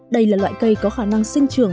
đây là loại cây có khả năng sinh trường